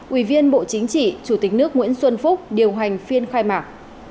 ủy viên bộ chính trị chủ tịch nước nguyễn xuân phúc điều hành phiên khai mạc